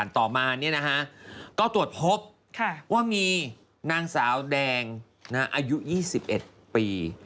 ต่อมาก็ตรวจพบว่ามีนางสาวแดงอายุ๒๑ปี